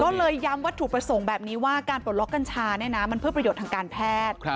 ก็เลยย้ำวัตถุประสงค์แบบนี้ว่าการปลดล็อกกัญชาเนี่ยนะมันเพื่อประโยชน์ทางการแพทย์